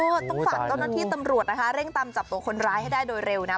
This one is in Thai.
ต้องฝากเจ้าหน้าที่ตำรวจนะคะเร่งตามจับตัวคนร้ายให้ได้โดยเร็วนะ